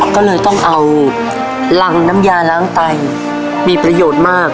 ก็เลยต้องเอารังน้ำยาล้างไตมีประโยชน์มาก